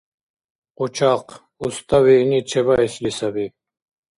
Къучахъ! Уста виъни чебаэсли саби!